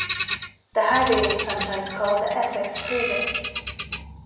The highway is sometimes called the Essex Freeway.